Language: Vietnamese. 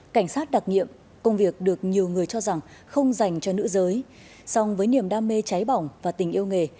cảnh sát đặc nghiệm công việc được nhiều người cho rằng không dành cho nữ giới song với niềm đam mê cháy bỏng và tình yêu nghề